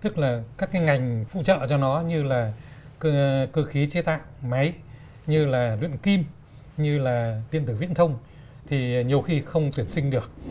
tức là các cái ngành phụ trợ cho nó như là cơ khí chế tạo máy như là luyện kim như là tiên tử viễn thông thì nhiều khi không tuyển sinh được